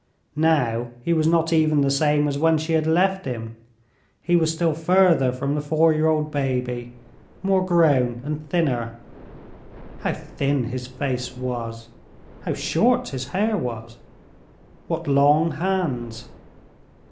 Now he was not even the same as when she had left him; he was still further from the four year old baby, more grown and thinner. How thin his face was, how short his hair was! What long hands!